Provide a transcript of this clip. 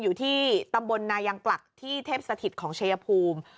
อยู่ที่ตำบลนายังกลักที่เทพสถิตของชายภูมิ